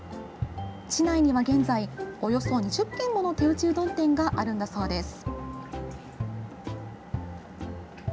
市内には現在、およそ２０軒もの手打ちうどん店があるんだそうです。